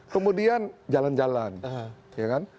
kemudian jalan jalan ya kan